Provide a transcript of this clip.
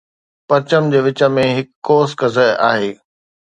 پرچم جي وچ ۾ هڪ قوس قزح آهي